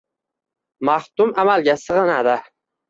Maxdum amalga sig’inadi.